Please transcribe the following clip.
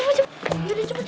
yaudah cepet cepet